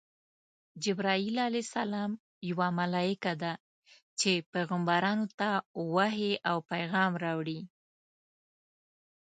جبراییل ع یوه ملایکه ده چی پیغمبرانو ته وحی او پیغام راوړي.